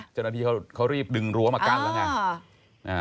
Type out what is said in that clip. เจ้าหน้าที่เขารีบดึงรั้วมากั้นแล้วไง